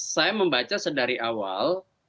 saya membaca sedari awal